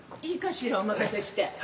いいかしらお任せして。